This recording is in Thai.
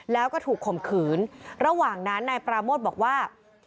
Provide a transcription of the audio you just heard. แล้วก็ถูกข่มขืนระหว่างนั้นนายปราโมทบอกว่า